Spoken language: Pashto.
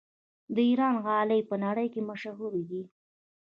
د ایران غالۍ په نړۍ کې مشهورې دي.